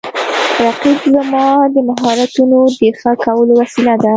رقیب زما د مهارتونو د ښه کولو وسیله ده